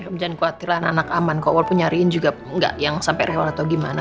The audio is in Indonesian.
jangan khawatir lah anak anak aman kok walaupun nyariin juga enggak yang sampai rewel atau gimana